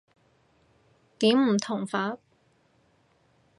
點唔同法？